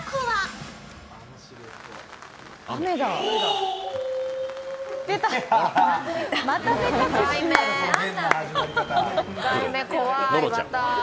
怖いまた。